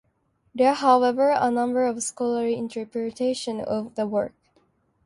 There are, however, a number of scholarly interpretations of the work.